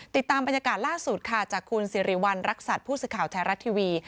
ติดตามบรรยากาศล่าสุดค่ะจากคุณสิริวัณรักษัตริย์ผู้สื่อข่าวไทยรัฐทีวี